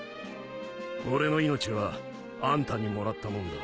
俺の命はあんたにもらったもんだ